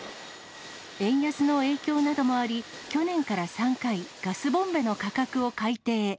円安の影響などもあり、去年から３回、ガスボンベの価格を改定。